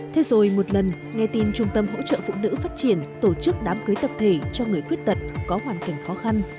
thế rồi một lần nghe tin trung tâm hỗ trợ phụ nữ phát triển tổ chức đám cưới tập thể cho người khuyết tật có hoàn cảnh khó khăn